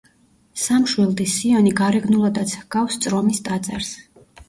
სამშვილდის სიონი გარეგნულადაც ჰგავს წრომის ტაძარს.